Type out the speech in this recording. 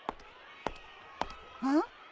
うん？